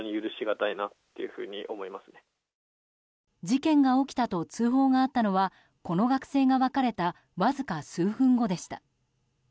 事件が起きたと通報があったのはこの学生が別れたわずか数分後でした。